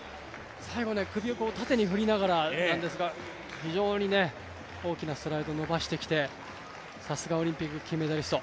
最後、首を縦に振りながらなんですが、非常に大きなストライドを伸ばしてきてさすがオリンピック金メダリスト。